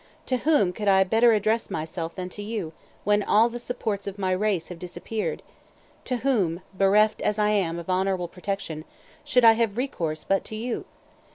To whom could I better address myself than to you, when all the supports of my race have disappeared? To whom, bereft as I am of honorable protection, should I have recourse but to you?